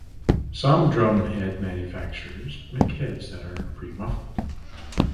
Some drumhead manufacturers make heads that are pre-muffled.